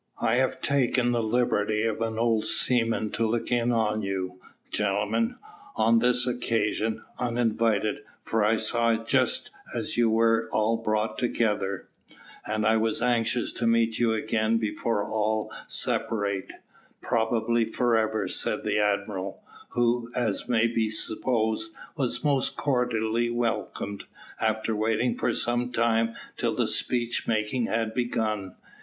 "I have taken the liberty of an old seaman to look in on you, gentlemen, on this occasion, uninvited; for I saw you just as you were all brought together, and I was anxious to meet you again before you all separate, probably for ever," said the Admiral who, as may be supposed, was most cordially welcomed after waiting for some time till the speech making had begun.